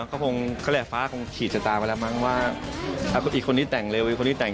ก็ต้องหาคนที่มันใจตรงกัน